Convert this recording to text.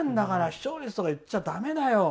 視聴率とか言っちゃだめだよ！